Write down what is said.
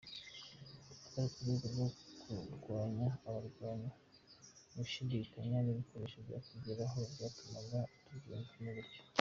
Twari ku rwego rwo kurwanya abarwanyi nta gushidikanya n’ibikoresho byatugeragaho byatumaga tubyiyumvamo gutyo.